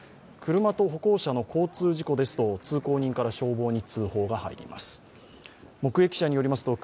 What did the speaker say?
車と歩行者の交通事故ですと通行人から消防に通報が入ります。